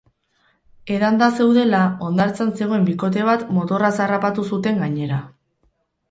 Edanda zeudela, hondartzan zegoen bikote bat motorraz harrapatu zuten gainera.